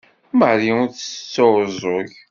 Marie ur tesɛuẓẓeg.